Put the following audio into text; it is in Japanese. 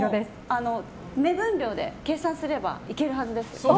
目分量で計算すればいけるはずです。